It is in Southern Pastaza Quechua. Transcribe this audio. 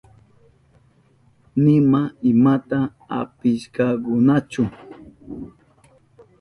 Nima imata apishkakunachu.